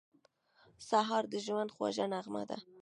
سهار د ژوند خوږه نغمه ده.